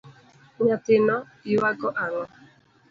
Nyathino ywago ango.